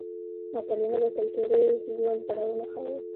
متلونه د کولتوري یون پړاوونه ښيي